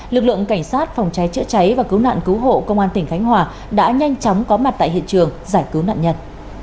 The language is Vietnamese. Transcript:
lực lượng cảnh sát phòng cháy chữa cháy và cứu nạn cứu hộ công an tỉnh khánh hòa đã nhanh chóng có mặt tại hiện trường giải cứu nạn nhân